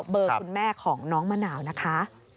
๐๘๐๒๓๘๗๔๗๙เบอร์คุณแม่ของน้องมะนาวนะคะ